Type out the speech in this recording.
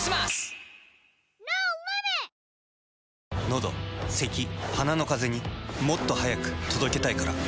のどせき鼻のカゼにもっと速く届けたいから。